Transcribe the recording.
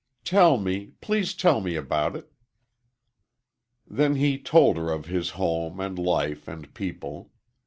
"Tell me please tell me about it." Then he told her of his home and life and people.